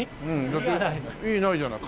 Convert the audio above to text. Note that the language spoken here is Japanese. だって「い」ないじゃない。